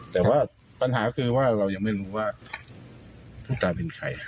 แต่ว่าปัญหาคือว่าเรายังไม่รู้ว่าผู้ตายเป็นใคร